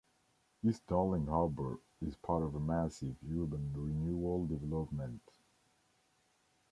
East Darling Harbour is part of a massive urban renewal development.